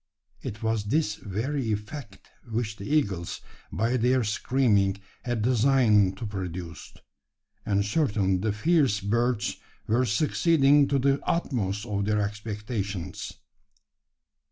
It was this very effect which the eagles, by their screaming, had designed to produce; and certainly the fierce birds were succeeding to the utmost of their expectations.